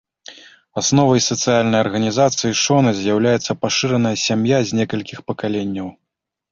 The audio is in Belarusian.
Асновай сацыяльнай арганізацыі шона з'яўляецца пашыраная сям'я з некалькіх пакаленняў.